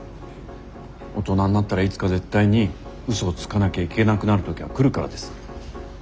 大人になったらいつか絶対に嘘をつかなきゃいけなくなる時が来るからです。